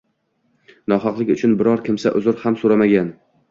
Nohaqlik uchun biror kimsa uzr ham so‘ramagan.